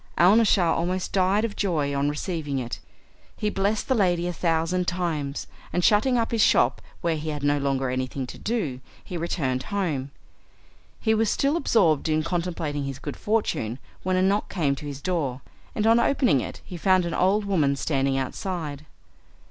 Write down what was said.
Alnaschar almost died of joy on receiving it. He blessed the lady a thousand times, and, shutting up his shop where he had no longer anything to do, he returned home. He was still absorbed in contemplating his good fortune, when a knock came to his door, and on opening it he found an old woman standing outside.